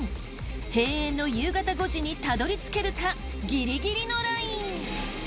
閉園の夕方５時にたどり着けるかギリギリのライン。